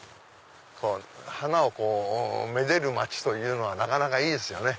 花を愛でる街というのはなかなかいいですよね。